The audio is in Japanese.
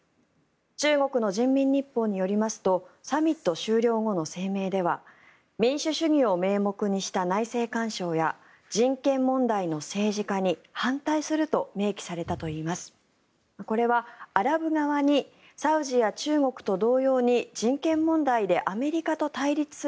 中国の人民日報によりますとサミット終了後の声明では民主主義を名目にした内政干渉や人権問題の政治化に反対すると明記されたといいます。